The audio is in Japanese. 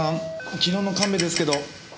昨日の神戸ですけど。